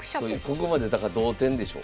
ここまでだから同点でしょ？